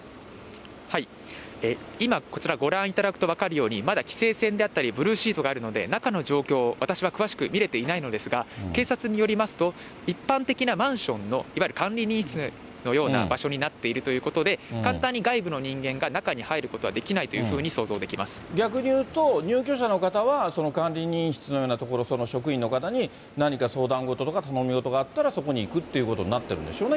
今、こちらご覧いただくと分かるように、まだ規制線であったり、ブルーシートがあるので、中の状況、私は詳しく見れていないのですが、警察によりますと、一般的なマンションのいわゆる管理人室のような場所になっているということで、簡単に外部の人間が中に入ることはできないというふうに想像でき逆にいうと、入居者の方は、管理人室のような所、その職員の方に何か相談事とか頼みごとがあったらそこに行くっていうことになってるんでしょうね。